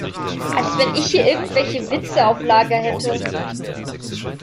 Als wenn ich hier irgendwelche Witze auf Lager hätte!